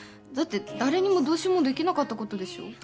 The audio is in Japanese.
だって誰にもどうしようもできなかったことでしょ？